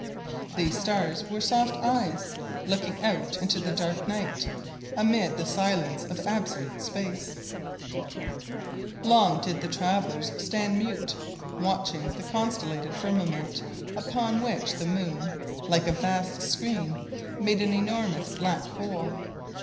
These stars were soft eyes, looking out into the dark night, amid the silence of absolute space. Long did the travelers stand mute, watching the constellated firmament, upon which the moon, like a vast screen, made an enormous black hole.